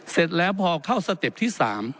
เสร็จแล้วพอเข้าสเต็ปที่๓